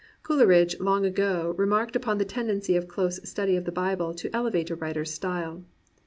Coleridge long ago remarked upon the tendency of a close study of the Bible to elevate a writer's style.